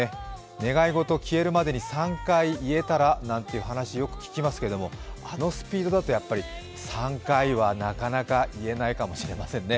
願い事、消えるまでに３回言えたらなんて話、よく聞きますけれども、あのスピードだと３回はなかなか言えないかもしれませんね。